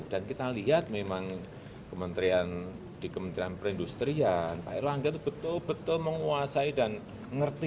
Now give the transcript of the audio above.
dan kita lihat memang di kementerian perindustrian pak erlangga itu betul betul menguasai dan mengerti